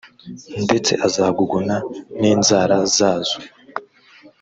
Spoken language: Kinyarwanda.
ndetse azaguguna n inzara zazo